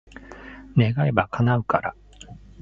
願えば、叶うから。